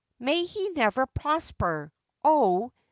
may he never prosper, oh!